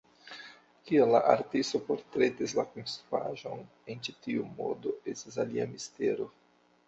Kial la artisto portretis la konstruaĵon en ĉi tiu modo estas alia mistero.